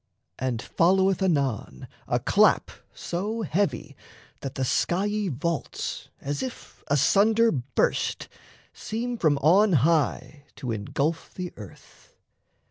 And followeth anon A clap so heavy that the skiey vaults, As if asunder burst, seem from on high To engulf the earth.